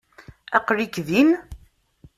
Aql-ik din?